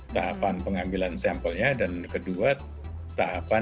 tahapan pengambilan sampelnya dan kedua tahapan